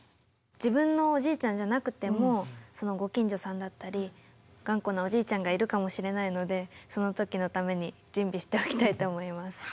自分のおじいちゃんじゃなくてもご近所さんだったり頑固なおじいちゃんがいるかもしれないのでその時のために準備しておきたいと思います。